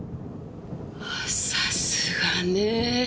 ああさすがね。